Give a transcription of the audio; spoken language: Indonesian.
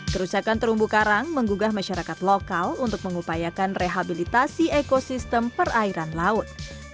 kerusakan terumbu karang menggugah masyarakat lokal untuk mengupayakan rehabilitasi ekosistem perairan laut